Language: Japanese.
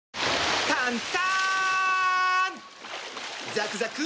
ザクザク！